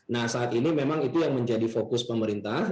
nah saat ini memang itu yang menjadi fokus pemerintah